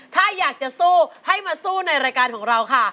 ถ้าอยากจะสู้ให้มาสู้ในรายการของเราค่ะ